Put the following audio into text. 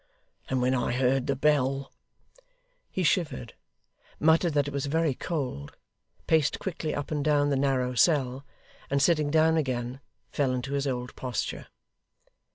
and when I heard the Bell ' He shivered; muttered that it was very cold; paced quickly up and down the narrow cell; and sitting down again, fell into his old posture.